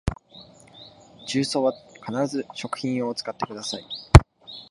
重曹は必ず食品用を使ってください